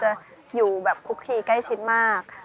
ชื่องนี้ชื่องนี้ชื่องนี้ชื่องนี้ชื่องนี้